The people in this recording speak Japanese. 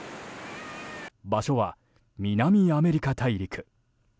場所は南アメリカ大陸。